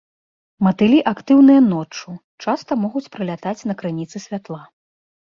Матылі актыўныя ноччу, часта могуць прылятаць на крыніцы святла.